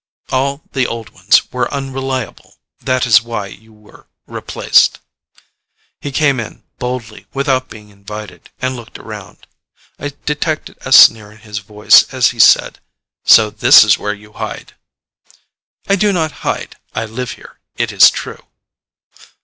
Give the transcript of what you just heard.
All the old ones were unreliable. That is why you were replaced." He came in, boldly, without being invited, and looked around. I detected a sneer in his voice as he said, "So this is where you hide." "I do not hide. I live here, it is true."